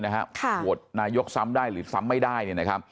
โหวตนายกซ้ำได้หรือซ้ำไม่ได้